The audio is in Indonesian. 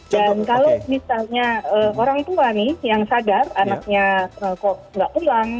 dan kalau misalnya orang tua nih yang sadar anaknya kok nggak pulang